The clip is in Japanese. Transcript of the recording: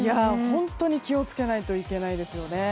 本当に気をつけないといけないですよね。